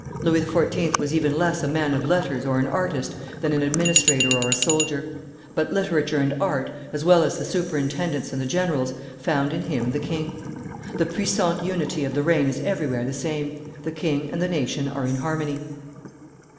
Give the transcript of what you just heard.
Louis XIV. was even less a man of letters or an artist than an administrator or a soldier; but literature and art, as well as the superintendents and the generals, found in him the King. The puissant unity of the reign is everywhere the same. The king and the nation are in harmony.